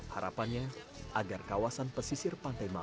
harapannya agar kawasan pesisir pantai yang dihidupkan